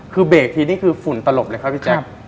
คือเบรกทีนี่คือฝุ่นตลบเลยครับพี่แจ๊ค